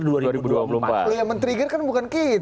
kalau yang men trigger kan bukan kita